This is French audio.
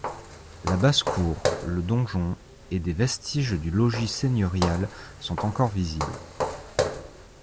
La basse-cour, le donjon, et des vestiges du logis seigneurial sont encore visibles.